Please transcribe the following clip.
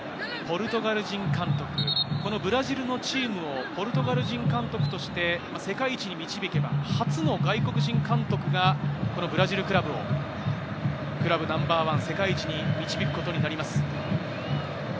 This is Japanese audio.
ポルトガル人監督、このブラジルのチームをポルトガル人監督として世界一に導けば、初の外国人監督がブラジルクラブをクラブナンバーワン、世界一に導くことになります。